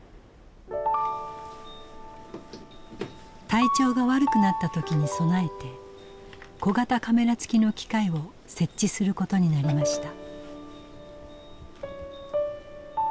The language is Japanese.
体調が悪くなった時に備えて小型カメラ付きの機械を設置することになりました。